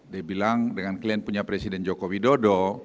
dia bilang dengan kalian punya presiden joko widodo